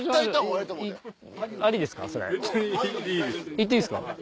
行っていいですか？